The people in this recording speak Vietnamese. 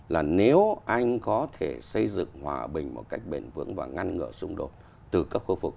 là nếu anh có thể xây dựng hòa bình một cách bền vững và ngăn ngỡ xung đột từ các khu vực